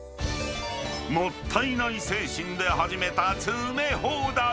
もったいない精神で始めた詰め放題。